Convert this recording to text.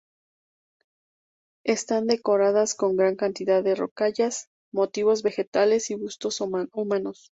Están decoradas con gran cantidad de rocallas, motivos vegetales y bustos humanos.